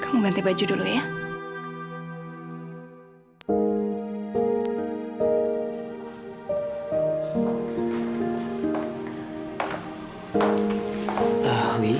kamu ganti baju dulu ya